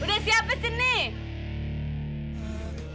udah siap sih nih